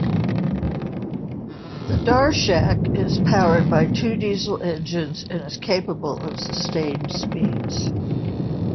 The "Darshak" is powered by two diesel engines and is capable of sustained speeds.